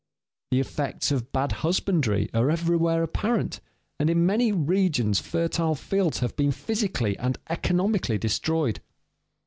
The effects of bad husbandry are everywhere apparent, and in many regions fertile fields have been physically and economically destroyed.